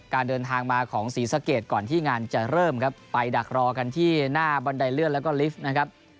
การเดินทางมาของศรีสะเกดก่อนที่งานจะเริ่มครับไปดักรอกันที่หน้าบันไดเลื่อนแล้วก็ลิฟต์นะครับ